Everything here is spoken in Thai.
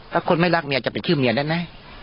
ถ้าคนไม่รักเมียจะเป็นชื่อเมียได้ไหม